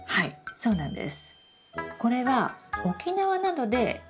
そうなんです。